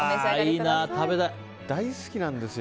大好きなんですよ。